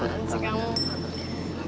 bahan sih kamu